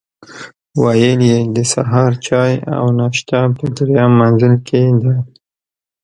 ویل یې د سهار چای او ناشته په درېیم منزل کې ده.